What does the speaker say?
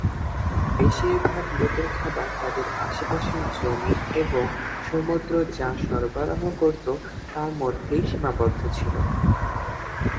বেশিরভাগ লোকের খাবার তাদের আশেপাশের জমি এবং সমুদ্র যা সরবরাহ করত তার মধ্যে সীমাবদ্ধ ছিল।